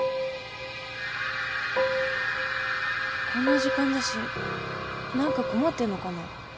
こんな時間だし何か困ってんのかな？